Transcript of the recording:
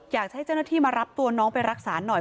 อยากให้เจ้าหน้าที่มารับตัวน้องไปรักษาหน่อย